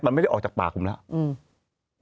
มันไม่ได้ออกจากปากผมแล้วอืม